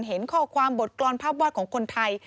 เห็นข้อความบทกรรมภาพวาดของคนไทย